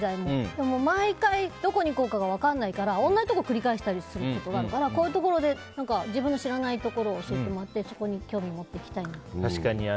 でも、毎回どこに行こうかが分からなくて同じところを繰り返したりするからこういうところで自分の知らないところを教えてもらってそこに興味を持ちたいなと。